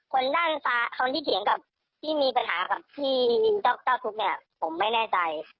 คนด้านฟ้าคนที่เถียงกับที่มีปัญหากับพี่เจ้าทุกข์เนี่ยผมไม่แน่ใจ